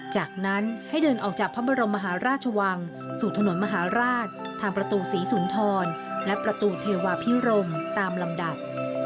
จากนั้นให้เดินออกจากพระบรมมหาราชวังสู่ถนนมหาราชทางประตูศรีสุนทรและประตูเทวาพิรมตามลำดับ